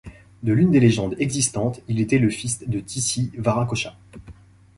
Dans l'une des légendes existantes, il était le fils de Tici Viracocha.